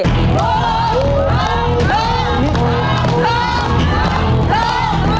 ถูก